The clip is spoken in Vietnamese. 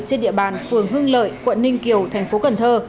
trên địa bàn phường hưng lợi quận ninh kiều thành phố cần thơ